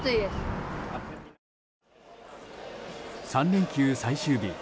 ３連休最終日。